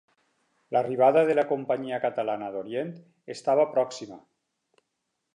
L'arribada de la Companyia Catalana d'Orient estava pròxima.